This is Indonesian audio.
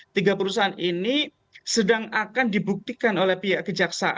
tiga perusahaan ini sedang akan dibuktikan oleh pihak kejaksaan